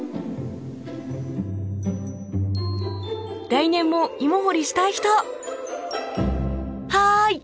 来年も芋掘りしたい人？